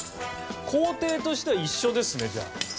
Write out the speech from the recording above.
工程としては一緒ですねじゃあ。